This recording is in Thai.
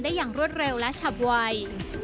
ได้อย่างรวดเร็วและชับวัย